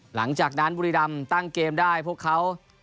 หลังจากนั้นบุรีดำตั้งเกมได้พวกเขา